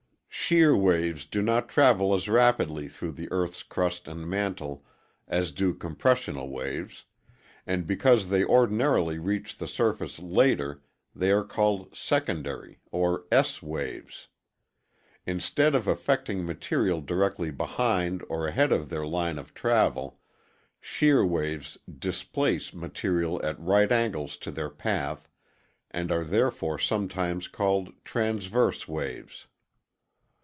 Shear waves do not travel as rapidly through the EarthŌĆÖs crust and mantle as do compressional waves, and because they ordinarily reach the surface later they are called ŌĆ£secondaryŌĆØ or ŌĆ£SŌĆØ waves. Instead of affecting material directly behind or ahead of their line of travel, shear waves displace material at right angles to their path and are therefore sometimes called ŌĆ£transverseŌĆØ waves. [Illustration: Diagram of propagation of seismic waves.